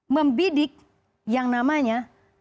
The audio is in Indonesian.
membidik yang namanya